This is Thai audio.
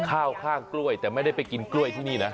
ข้าวข้างกล้วยแต่ไม่ได้ไปกินกล้วยที่นี่นะ